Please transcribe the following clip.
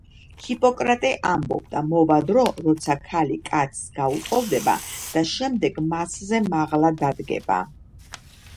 ჰიპოკრატე ამბობდა მოვა დრო როცა ქალი კაცს გაუტოლდება და შემდეგ მასზე მაღლა დადგება